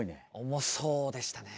重そうでしたね。ね。